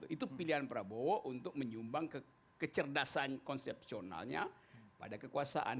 itu pilihan prabowo untuk menyumbang kecerdasan konsepsionalnya pada kekuasaan